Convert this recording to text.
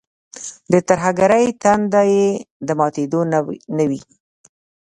د ترهګرۍ تنده یې د ماتېدو نه وي.